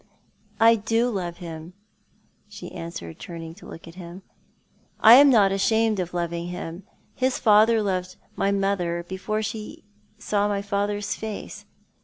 " I do love him," she answered, turning to look &t him. " I am not ashamed of loving him. His father loved my mother before ever she saw my father's face.